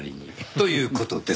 という事です。